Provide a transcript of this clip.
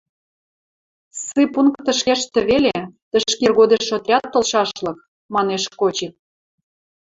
— Ссыппунктыш кештӹ веле, тӹшкӹ иргодеш отряд толшашлык, — манеш Кочик.